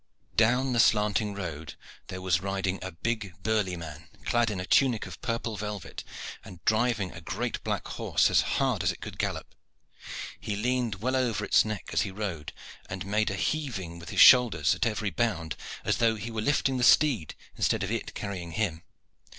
Down the slanting road there was riding a big, burly man, clad in a tunic of purple velvet and driving a great black horse as hard as it could gallop. He leaned well over its neck as he rode, and made a heaving with his shoulders at every bound as though he were lifting the steed instead of it carrying him.